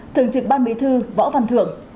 thường trực ban bí thư võ văn thượng